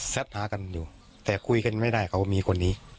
หากันอยู่แต่คุยกันไม่ได้เขามีคนนี้